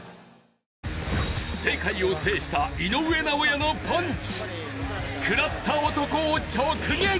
世界を制した井上尚弥のパンチ。